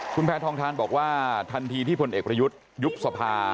คุณแพทองทานบอกว่าทันทีที่พลเอกประยุทธ์ยุบสภา